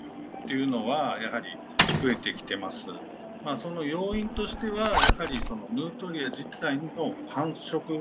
その要因としてはやはりヌートリア自体の繁殖能力の高さ。